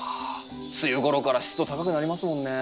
梅雨ごろから湿度高くなりますもんね。